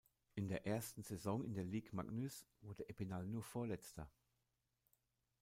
In der ersten Saison in der Ligue Magnus wurde Épinal nur Vorletzter.